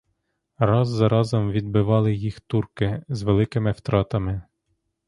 Раз за разом відбивали їх турки з великими втратами.